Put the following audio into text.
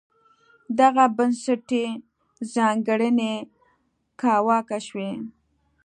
دغه بنسټي ځانګړنې کاواکه شوې.